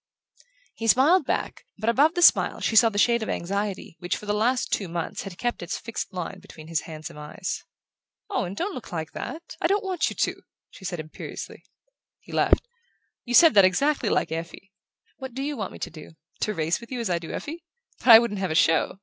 He smiled back, but above the smile she saw the shade of anxiety which, for the last two months, had kept its fixed line between his handsome eyes. "Owen, don't look like that! I don't want you to!" she said imperiously. He laughed. "You said that exactly like Effie. What do you want me to do? To race with you as I do Effie? But I shouldn't have a show!"